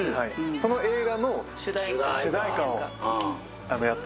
その映画の主題歌をやってくださって。